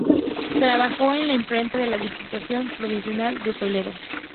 Trabajó en la imprenta de la Diputación Provincial de Toledo.